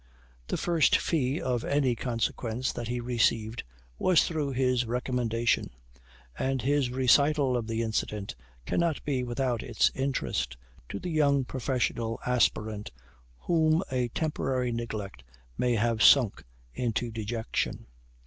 The first fee of any consequence that he received was through his recommendation; and his recital of the incident cannot be without its interest to the young professional aspirant whom a temporary neglect may have sunk into dejection.